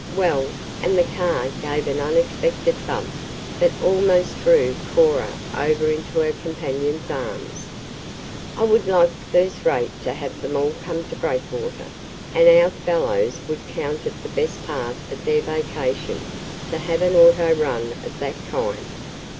Well," and the car gave an unexpected bump that almost threw Cora over into her companion's arms, "I would like first rate to have them all come to Breakwater, and our fellows would count it the best part of their vacation to have an auto run of that kind.